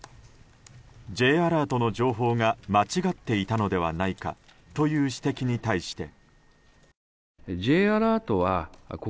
Ｊアラートの情報が間違っていたのではないかという指摘に対して。